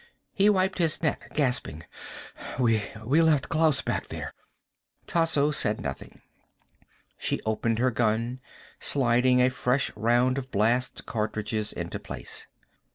He wiped his neck, gasping. "We left Klaus back there." Tasso said nothing. She opened her gun, sliding a fresh round of blast cartridges into place.